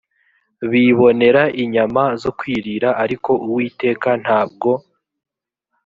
bibonere inyama zo kwirira ariko uwiteka ntabwo